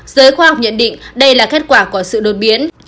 giới khoa học nhận định đây là kết quả của sự đột biến